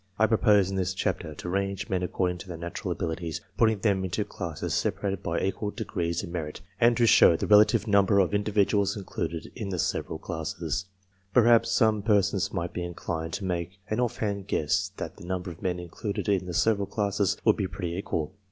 \I propose in this chapter to range men according to their natural abilities, putting them into classes separated by equal degrees of merit, and to show the relative number of individuals included in the several classes.S Perhaps some person might be inclined to make an offhand guess that the number of men included in the several classes would be pretty equal.